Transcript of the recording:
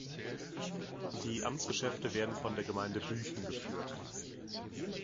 Die Amtsgeschäfte werden von der Gemeinde Büchen geführt.